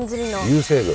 流星群。